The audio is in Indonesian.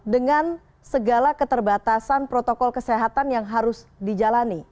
dengan segala keterbatasan protokol kesehatan yang harus dijalani